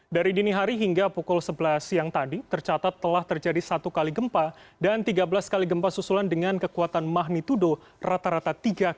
dari dini hari hingga pukul sebelas siang tadi tercatat telah terjadi satu kali gempa dan tiga belas kali gempa susulan dengan kekuatan magnitudo rata rata tiga empat